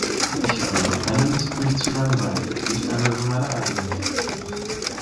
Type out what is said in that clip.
Ich habe aber keine Lust, mich zu langweilen, nicht einmal über meine eigenen Reden.